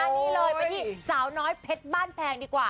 นี่เลยไปที่สาวน้อยเพชรบ้านแพงดีกว่า